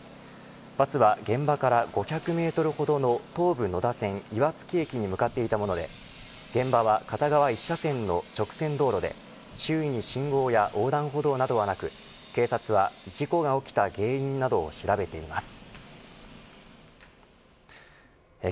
バスは現場から５００メートルほどの東武野田線岩槻駅に向かっていたもので現場は片側１車線の直線道路で周囲に信号や横断歩道などはなく警察は事故が起きた原因などを調べています。